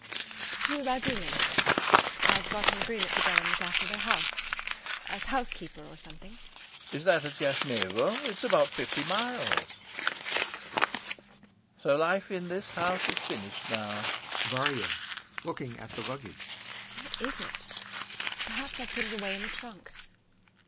To the Ragulins.... I've got an agreement to go and look after their house... as housekeeper or something. LOPAKHIN. Is that at Yashnevo? It's about fifty miles. So life in this house is finished now.... VARYA. [Looking at the luggage] Where is it?... perhaps I've put it away in the trunk....